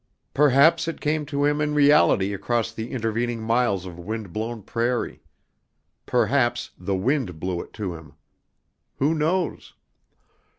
Perhaps it came to him in reality across the intervening miles of wind blown prairie. Perhaps the wind blew it to him. Who knows?